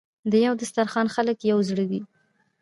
د یو دسترخان خلک یو زړه وي.